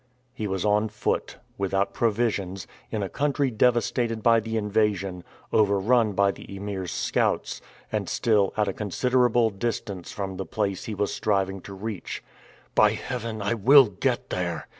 He was on foot, without provisions, in a country devastated by the invasion, overrun by the Emir's scouts, and still at a considerable distance from the place he was striving to reach. "By Heaven, I will get there!"